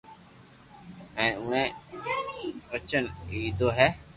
ھين اوڻي ئچن ليدو ھي